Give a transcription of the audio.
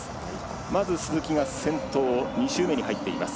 まず鈴木が先頭２周目に入りました。